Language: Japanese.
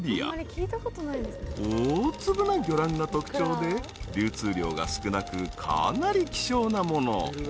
［大粒な魚卵が特徴で流通量が少なくかなり希少なもの］